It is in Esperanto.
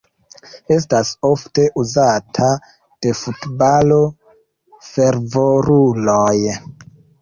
Estas ofte uzata de futbalo-fervoruloj.